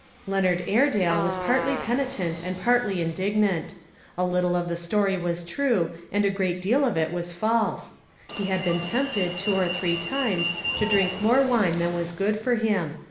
Leonard Airedale was partly penitent and partly indignant. A little of the story was true, and a great deal of it 39/5 ONE COMMONPLACE DAY. i was false. He had been tempted, two or three times, to drink more wine than was good for him.